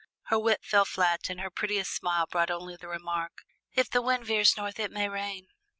Her wit fell flat and her prettiest smile brought only the remark, "If the wind veers north it may rain."